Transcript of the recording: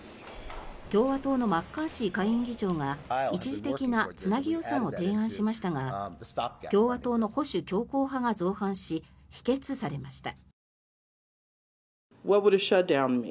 共和党のマッカーシー下院議長が一時的なつなぎ予算を提案しましたが共和党の保守強硬派が造反し否決されました。